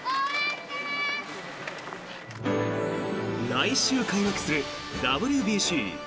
来週開幕するＷＢＣ。